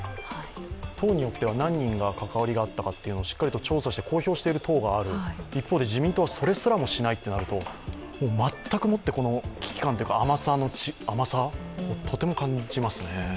党によっては何人が関わりがあったかというのをしっかりと調査して公表している党がある一方で、自民党はそれすらもしないとなると、全くもって危機感というか甘さをとても感じますね。